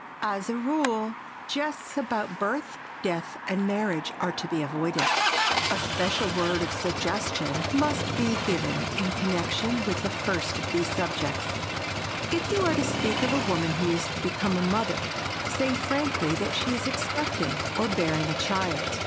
As a rule, jests about birth, death and marriage are to be avoided. A special word of suggestion must be given in connection with the first of these subjects. If you are to speak of a woman who is to become a mother, say frankly that she is expecting or bearing a child.